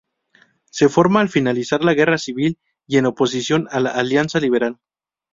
Se forma al finalizar la Guerra Civil y en oposición a la Alianza Liberal.